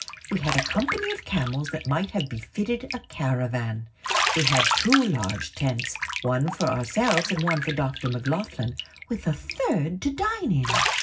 We had a company of camels that might have befitted a caravan. We had two large tents, one for ourselves, and one for Dr. Macloghlen, with a third to dine in.